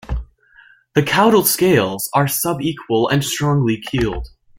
The caudal scales are sub-equal and strongly keeled.